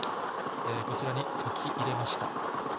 こちらに書き入れました。